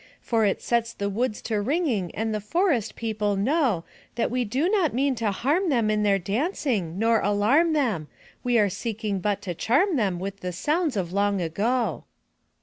For it sets the woods to ringing, and the forest people know That we do not mean to harm them in their dancing, nor alarm them — We are seeking but to charm them with the sounds of long ago.